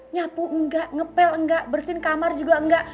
nyapu nggak ngepel enggak bersihin kamar juga enggak